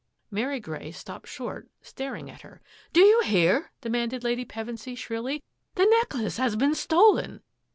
Mary Grey stopped short, staring at her. " Do you hear.'* " demanded Lady Pevensy shrilly. " The necklace has been stolen